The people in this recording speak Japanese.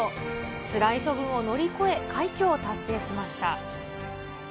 つらい処分を乗り越え、快挙を達成しました。